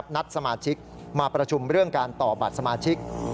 นัดสมาชิกมาประชุมเรื่องการต่อบัตรสมาชิก